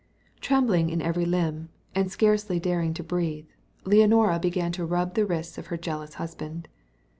Trembling in every limb, and scarcely daring to breathe, Leonora began to rub the wrists of her jealous husband.